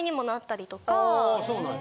あそうなんや。